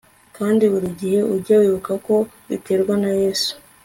kandi buri gihe ujye wibuka ko biterwa na yesu